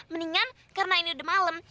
mendingan karena ini udah malam